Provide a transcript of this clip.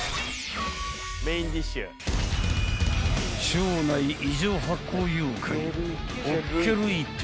［腸内異常発酵妖怪］